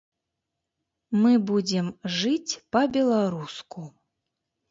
Мы будзем жыць па-беларуску.